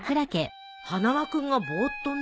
花輪君がぼーっとね。